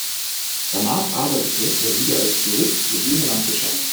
Danach arbeitete er wieder als Jurist sowie in der Landwirtschaft.